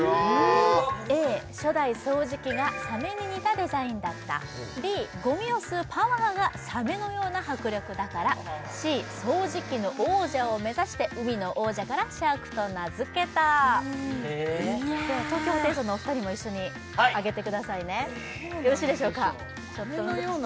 Ａ初代掃除機がサメに似たデザインだったＢゴミを吸うパワーがサメのような迫力だからＣ掃除機の王者を目指して海の王者からＳｈａｒｋと名付けたでは東京ホテイソンのお二人も一緒に挙げてくださいねよろしいでしょうかちょっと難しいかな？